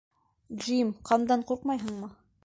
Джим, ҡандан ҡурҡмайһыңмы?